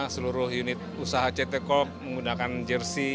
seluruh unit usaha ct corp menggunakan jersi